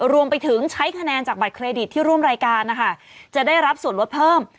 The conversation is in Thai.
รวมไปถึงใช้คะแนนจากบัตรเครดิตที่ร่วมรายการนะคะจะได้รับส่วนลดเพิ่ม